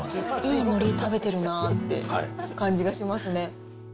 いいのり食べてるなって感じがしますね。